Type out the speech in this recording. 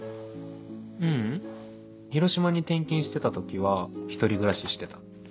ううん広島に転勤してた時は１人暮らししてた。